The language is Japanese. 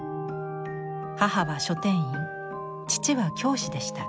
母は書店員父は教師でした。